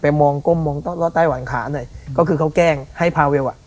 ไปมองก้มมองรอดใต้หว่างขาหน่อยก็คือเค้าแกล้งให้พาเวล